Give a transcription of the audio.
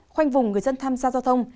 khoanh vùng người dân thăm xa giao thông